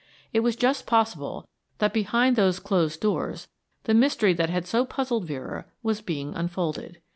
It was just possible that behind those closed doors the mystery that had so puzzled Vera was being unfolded.